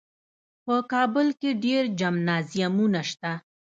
په کابل کې ډېر جمنازیمونه شته.